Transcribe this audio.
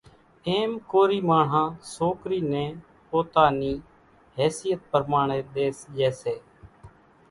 ايم ڪورِي ماڻۿان سوڪرِ نين پوتا نِي حيثيت پرماڻيَ ۮيس ڄيَ سي۔